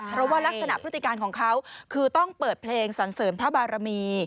เพราะว่ารักษณพฤติการของเขาคือต้องเปิดเพลงสันเสริมพระบารมี